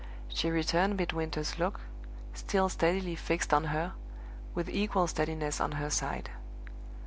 She returned Midwinter's look, still steadily fixed on her, with equal steadiness on her side.